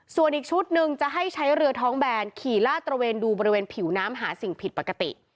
ส่วนอีกชุดหนึ่งจะให้ใช้เรือท้องแบนขี่ลาดตระเวนดูบริเวณผิวน้ำหาสิ่งผิดปกติ